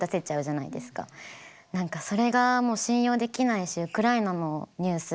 何かそれがもう信用できないしウクライナのニュース